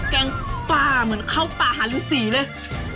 แกงปลาเหมือนเข้าป่าหารือสีเลย